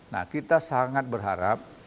nah kita sangat berharap